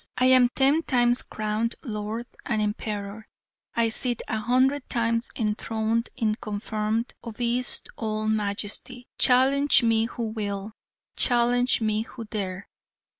I am ten times crowned Lord and Emperor; I sit a hundred times enthroned in confirmed, obese old Majesty. Challenge me who will challenge me who dare!